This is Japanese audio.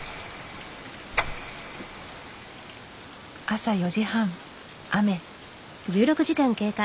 朝４時半雨。